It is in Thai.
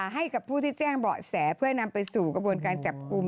ให้กับผู้ที่แจ้งเบาะแสเพื่อนำไปสู่กระบวนการจับกลุ่ม